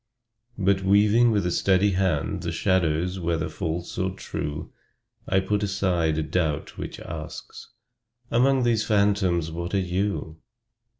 But weaving with a steady hand The shadows, whether false or true, I put aside a doubt which asks "Among these phantoms what are you?"